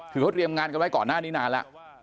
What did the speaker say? คือเขาเตรียมงานกันไว้ก่อนหน้านี้นานแล้ว